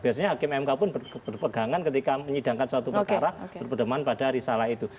biasanya hakim mk pun berpegangan ketika menyidangkan suatu perkara berpedeman pada risalah itu